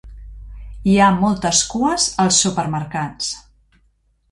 Hi ha moltes cues als supermercats.